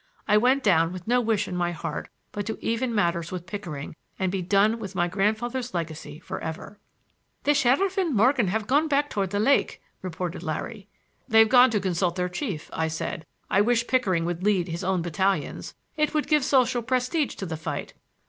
I went down with no wish in my heart but to even matters with Pickering and be done with my grandfather's legacy for ever. "The sheriff and Morgan have gone back toward the lake," reported Larry. "They've gone to consult their chief," I said. "I wish Pickering would lead his own battalions. It would give social prestige to the fight."